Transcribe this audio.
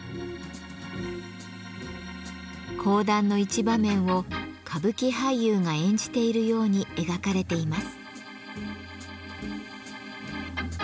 講談の一場面を歌舞伎俳優が演じているように描かれています。